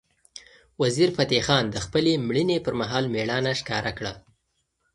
وزیرفتح خان د خپلې مړینې پر مهال مېړانه ښکاره کړه.